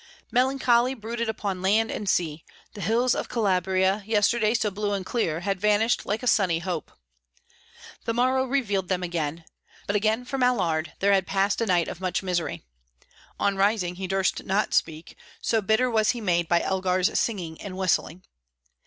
Melancholy brooded upon land and sea; the hills of Calabria, yesterday so blue and clear, had vanished like a sunny hope. The morrow revealed them again. But again for Mallard there had passed a night of much misery. On rising, he durst not speak, so bitter was he made by Elgar's singing and whistling.